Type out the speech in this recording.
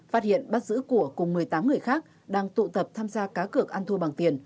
phát hiện bắt giữ của cùng một mươi tám người khác đang tụ tập tham gia cá cược ăn thua bằng tiền